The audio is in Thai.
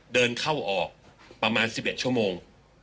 เดินเข้าออกประมาณ๑๑ชั่วโมง